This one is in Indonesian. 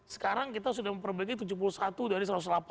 sekarang kita sudah memperbaiki tujuh puluh satu dari satu ratus delapan puluh